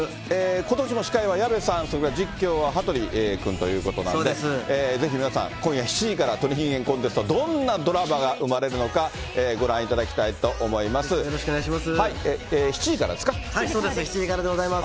ことしも司会は矢部さん、それから実況は羽鳥くんということなんで、ぜひ皆さん、今夜７時から鳥人間コンテスト、どんなドラマが生まれるのか、ご覧いただよろしくお願いします。